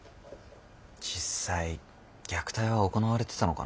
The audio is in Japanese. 実際虐待は行われてたのかな。